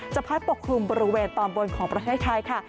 พัดปกคลุมบริเวณตอนบนของประเทศไทยค่ะ